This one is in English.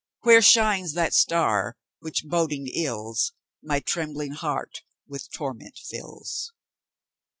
Where shines that star, which, boding ills, My trembling heart with torment fills?